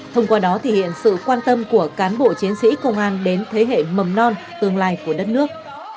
thông qua đó thể hiện sự quan tâm của cán bộ chiến sĩ công an đến thế hệ mầm non tương lai của đất nước